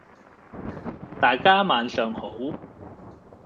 大家晚上好！